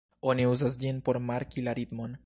Oni uzas ĝin por marki la ritmon.